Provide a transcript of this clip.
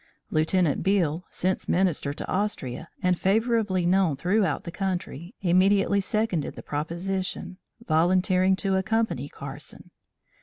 Lieutenant Beale, since Minister to Austria, and favorably known throughout the country, immediately seconded the proposition, volunteering to accompany Carson.